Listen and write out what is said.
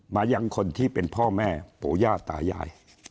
มายังคนที่เป็นพ่อแม่ปู่ย่าตายาย